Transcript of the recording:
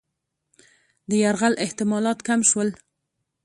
د یرغل احتمالات کم شول.